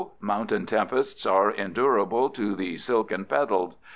Mountain tempests are endurable to the silken petaled.